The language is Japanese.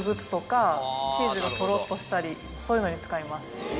チーズがとろっとしたりそういうのに使います。